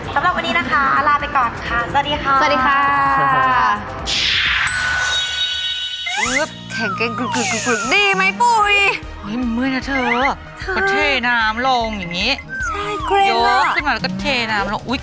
สำหรับวันนี้นะคะ